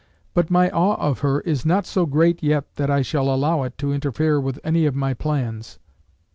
"But my awe of her is not so great yet that I shall allow it to interfere with any of my plans."